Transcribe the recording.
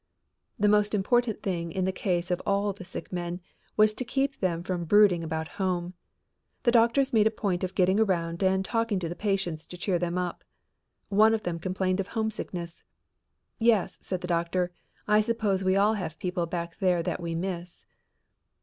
The most important thing in the case of all the sick men was to keep them from brooding about home. The doctors made a point of getting around and talking to the patients to cheer them up. One of them complained of homesickness. "Yes," said the doctor, "I suppose we all have people back there that we miss."